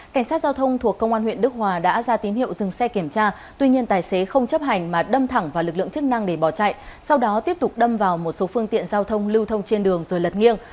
cảnh sát giao thông thuộc công an huyện đức hòa đã ra tín hiệu dừng xe kiểm tra tuy nhiên tài xế không chấp hành mà đâm thẳng vào lực lượng chức năng để bỏ chạy sau đó tiếp tục đâm vào một số phương tiện giao thông lưu thông trên đường rồi lật nghiêng